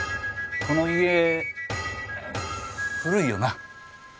この家古いよな？